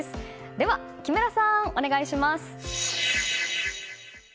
では木村さん、お願いします！